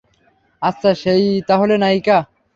আচ্ছা, সে-ই তাহলে নায়িকা।